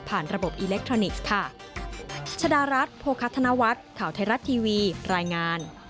ระบบอิเล็กทรอนิกส์ค่ะ